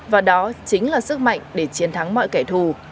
và đó chính là sức mạnh để chiến thắng mọi kẻ thù